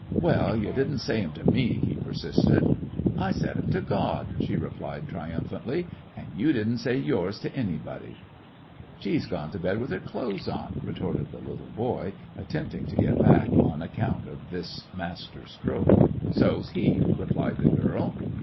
"Well, you did n't say them to me," he persisted. "I said them to God," she replied trium phantly, "and you did n't say yours to anybody." "She 's gone to bed with her clothes on," retorted the little boy, attempting to get back on account of this master stroke. 137 IR^ecoCCections of a "So 's he," replied the girl.